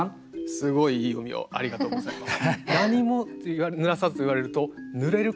すごいいい読みをありがとうございます。